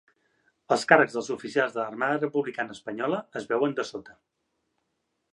Els càrrecs dels oficials de l'Armada Republicana espanyola es veuen dessota.